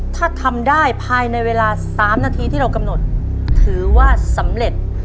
ถ้าทำได้ภายในเวลา๓นาทีที่เรากำหนดถือว่าสำเร็จ